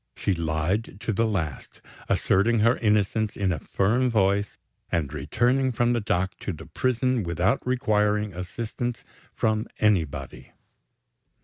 She lied to the last; asserting her innocence in a firm voice, and returning from the dock to the prison without requiring assistance from anybody.